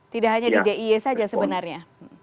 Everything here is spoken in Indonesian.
tidak hanya di d i e saja sebenarnya